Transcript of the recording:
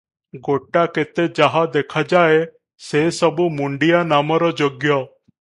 ଗୋଟାକେତେ ଯାହା ଦେଖାଯାଏ ସେ ସବୁ ମୁଣ୍ତିଆ ନାମର ଯୋଗ୍ୟ ।